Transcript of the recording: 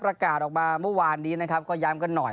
ประกาศออกมาเมื่อวานนี้นะครับก็ย้ำกันหน่อย